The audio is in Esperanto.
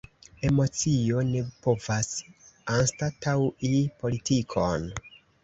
Emocio ne povas anstataŭi politikon.